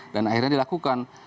dan akhirnya dilakukan